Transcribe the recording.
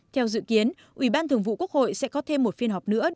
theo dự kiến ủy ban thường vụ quốc hội sẽ có thêm một phiên họp nữa